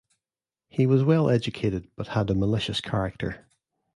He was well educated but had a malicious character.